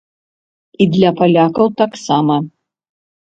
І для палякаў таксама.